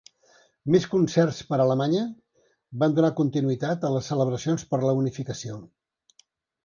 Més concerts per Alemanya van donar continuïtat a les celebracions per la unificació.